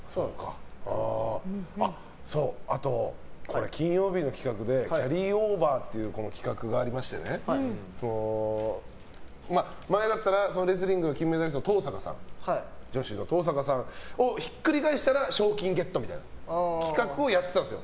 あと、これ金曜日の企画でキャリーオーバーっていう企画がありまして前だったらレスリングの金メダリストの女子の登坂さんをひっくり返したら賞金ゲットみたいな企画をやっていたんですよ。